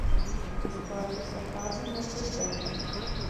Os porcos só fazem uma furgada.